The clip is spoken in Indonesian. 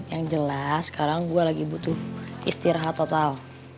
yang jelas sekarang gue lagi butuh istirahat total